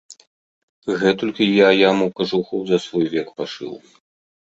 Гэтулькі я яму кажухоў за свой век пашыў.